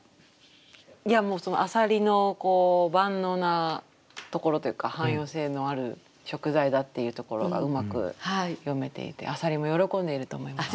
いやもう浅蜊の万能なところというか汎用性のある食材だっていうところがうまく詠めていて浅蜊も喜んでいると思います。